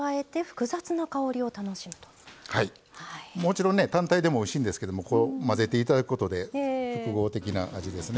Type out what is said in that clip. もちろんね単体でもおいしいんですけども混ぜていただくことで複合的な味ですね。